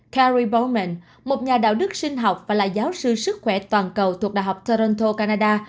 cary bowman một nhà đạo đức sinh học và là giáo sư sức khỏe toàn cầu thuộc đh toronto canada